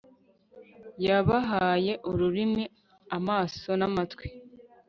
yabahaye ururimi, amaso n'amatwi